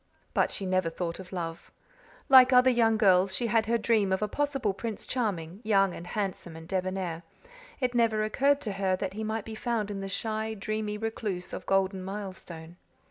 But she never thought of love. Like other girls she had her dreams of a possible Prince Charming, young and handsome and debonair. It never occurred to her that he might be found in the shy, dreamy recluse of Golden Milestone.